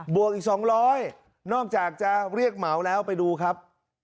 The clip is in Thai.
วกอีก๒๐๐นอกจากจะเรียกเหมาแล้วไปดูครับ